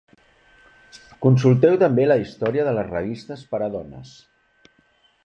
Consulteu també la història de les revistes per a dones.